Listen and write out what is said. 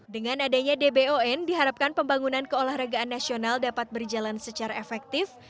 dengan adanya dbon diharapkan pembangunan keolahragaan nasional dapat berjalan secara efektif